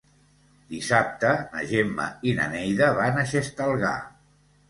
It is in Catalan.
Dissabte na Gemma i na Neida van a Xestalgar.